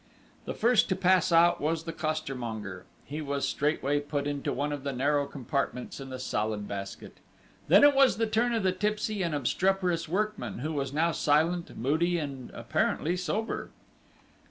The first to pass out was the costermonger. He was straightway put into one of the narrow compartments in the Salad Basket. Then it was the turn of the tipsy and obstreperous workman, who was now silent, moody, and apparently sober.